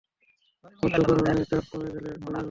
মধ্যকর্ণে চাপ কমে গেলে কানের পর্দা ভেতরের দিকে চেপে যেতে পারে।